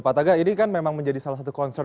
pak taga ini kan memang menjadi salah satu concern